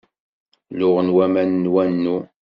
Luɣen waman n wannu.